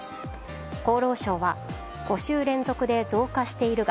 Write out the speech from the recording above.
厚労省は５週連続で増加しているが